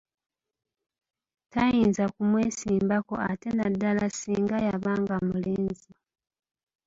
Tayinza kumwesimbako ate naddala ssinga yabanga mulenzi.